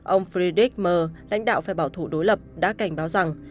ông friedrich m lãnh đạo phe bảo thủ đối lập đã cảnh báo rằng